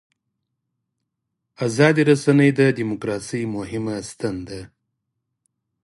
ازادې رسنۍ د دیموکراسۍ مهمه ستن ده.